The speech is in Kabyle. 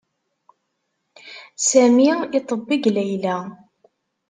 Sami iṭebbeg Layla.